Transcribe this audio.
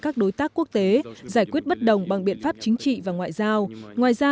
các đối tác quốc tế giải quyết bất đồng bằng biện pháp chính trị và ngoại giao ngoài ra